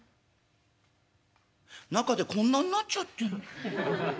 中でこんなんなっちゃってる。